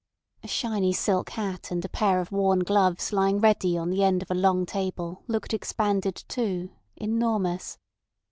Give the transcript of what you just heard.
A shiny silk hat and a pair of worn gloves lying ready on the end of a long table looked expanded too, enormous.